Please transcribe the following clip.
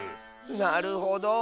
なるほど。